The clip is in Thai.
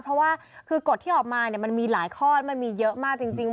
เพราะว่าคือกฎที่ออกมามันมีหลายข้อมันมีเยอะมากจริง